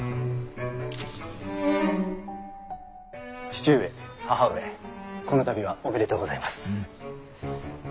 父上義母上この度はおめでとうございます。